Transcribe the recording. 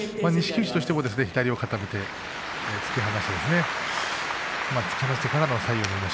富士としても左を固めて突き放しですね。